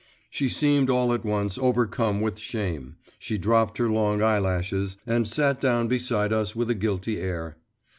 She seemed all at once overcome with shame, she dropped her long eyelashes, and sat down beside us with a guilty air.